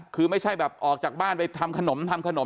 คือไม่ใช่แบบออกจากบ้านไปทำขนมทำขนม